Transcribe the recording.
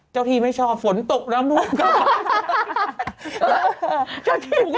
เจ้าทีไม่ชอบฝนตกน้ำรูปกลับไป